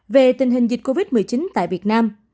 về tình hình dịch covid một mươi chín tại việt nam